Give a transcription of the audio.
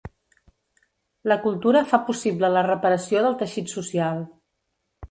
La cultura fa possible la reparació del teixit social.